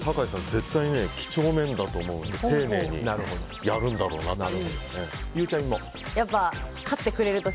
絶対、几帳面だと思うので丁寧にやるんだろうなと。